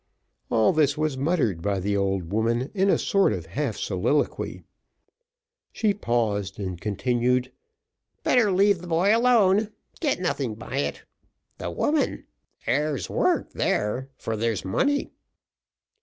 All this was muttered by the old woman in a sort of half soliloquy: she paused and continued, "Better leave the boy alone, get nothing by it; the woman there's work there, for there's money."